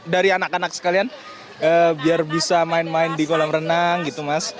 dari anak anak sekalian biar bisa main main di kolam renang gitu mas